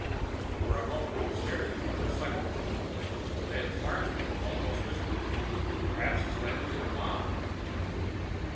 For a moment, we stared at each other silently. Then Farnsworth almost whispered, "Perhaps it's landed in a pond."